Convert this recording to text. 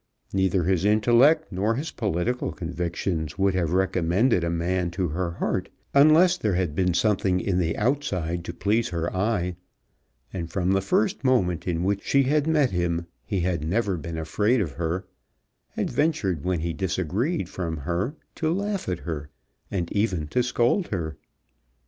Neither his intellect nor his political convictions would have recommended a man to her heart, unless there had been something in the outside to please her eye, and from the first moment in which she had met him he had never been afraid of her, had ventured when he disagreed from her to laugh at her, and even to scold her.